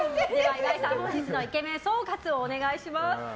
岩井さん、本日のイケメン総括をお願いします。